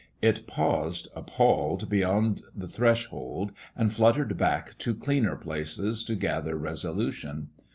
It paused appalled beyond the threshold and fluttered back to cleaner places to gather resolution.